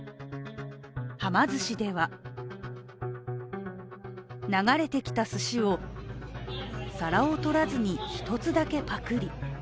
はま寿司では流れてきたすしを、皿を取らずに一つだけパクリ。